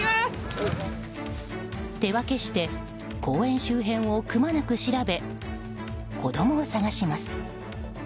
手分けして公園周辺をくまなく調べ子供を捜します。